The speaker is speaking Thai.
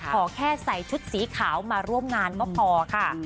ขอแค่ใส่ชุดสีขาวมาร่วมงานก็พอค่ะ